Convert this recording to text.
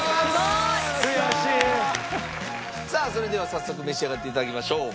さあそれでは早速召し上がって頂きましょう。